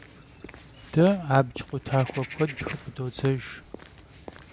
De abc khutaxue kued xıf'ıdodzejj.